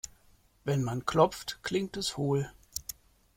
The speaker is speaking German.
Wenn man klopft, klingt es hohl.